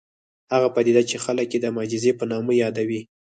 هغه پدیده چې خلک یې د معجزې په نامه یادوي